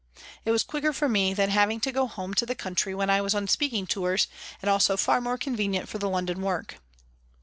It was quicker for me than having to go home to the country when I was on speaking tours, and also far more convenient for the London work.